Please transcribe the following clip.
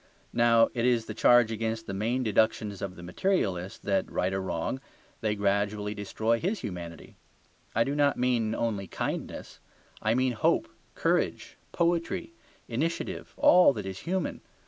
Now it is the charge against the main deductions of the materialist that, right or wrong, they gradually destroy his humanity; I do not mean only kindness, I mean hope, courage, poetry, initiative, all that is human.